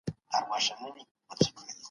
موږ د ستونزو د هوارولو لپاره هڅه کوو.